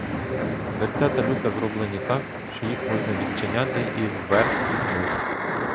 Дверцята люка зроблені так, що їх можна відчиняти і вверх і вниз.